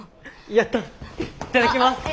いただきます。